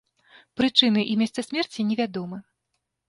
Прычыны і месца смерці не вядомы.